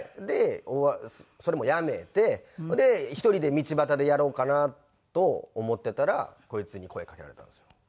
でそれもやめてそれで１人で道端でやろうかなと思ってたらこいつに声かけられたんですよ。